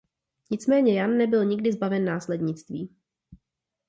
Nicméně Jan nebyl nikdy zbaven následnictví.